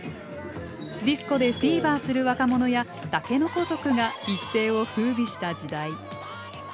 ディスコでフィーバーする若者や竹の子族が一世を風靡した時代。